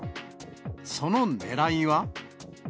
そのねらいは。